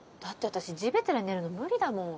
私地べたに寝るの無理だもん。